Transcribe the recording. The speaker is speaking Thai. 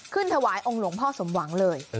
ถวายองค์หลวงพ่อสมหวังเลย